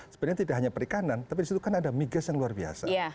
sebenarnya tidak hanya perikanan tapi disitu kan ada migas yang luar biasa